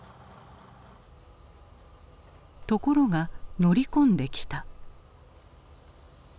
ところが乗り込んできた。